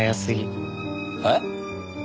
えっ？